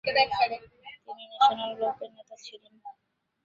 তিনি ন্যাশনাল ব্লকের নেতা ছিলেন।